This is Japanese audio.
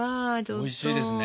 おいしいですね。